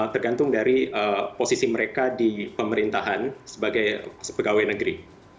tergantung dari posisi mereka di pemerintahan sebagai pegawai negeri